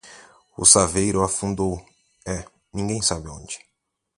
O saveiro afundou é ninguém sabe onde.